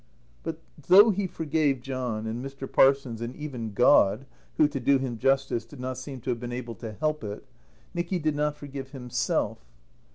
But, though he forgave John and Mr. Parsons and even God, who, to do him justice, did not seem to have been able to help it, Nicky did not forgive himself.